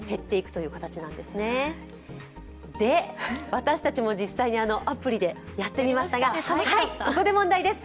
私たちも実際にアプリでやってみましたがここで問題です。